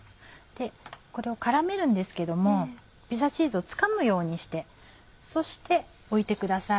これを絡めるんですけどもピザチーズをつかむようにしてそして置いてください。